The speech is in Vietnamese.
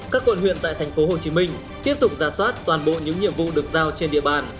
các quận huyện tại thành phố hồ chí minh tiếp tục ra soát toàn bộ những nhiệm vụ được giao trên địa bàn